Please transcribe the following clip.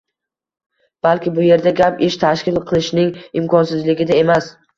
Balki bu yerda gap ish tashkil qilishning imkonsizligida emas